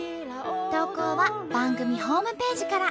投稿は番組ホームページから。